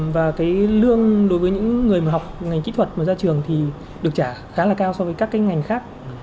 và lương đối với những người học ngành kỹ thuật mà ra trường thì được trả khá là cao so với các ngành khác